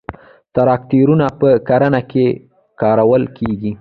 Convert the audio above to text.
تراکتورونه په کرنه کې کارول کیږي.